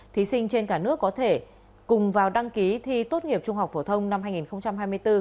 thí sinh trên cả nước có thể cùng vào đăng ký thi tốt nghiệp trung học phổ thông năm hai nghìn hai mươi bốn